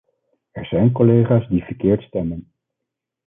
Er zijn collega's die verkeerd stemmen.